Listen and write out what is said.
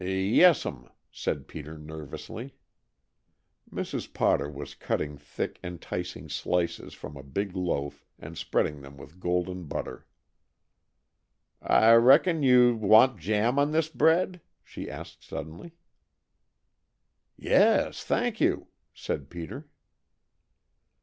"Yes'm," said Peter nervously. Mrs. Potter was cutting thick, enticing slices from a big loaf and spreading them with golden butter. "I reckon you want jam on this bread?" she asked suddenly. "Yes, thank you!" said Peter.